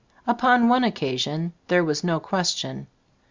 Upon one occasion there was no question.